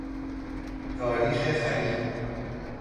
تاریخ خرید